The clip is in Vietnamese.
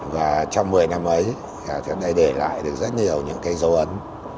và trong một mươi năm ấy chúng ta đã để lại được rất nhiều những cái dấu ấn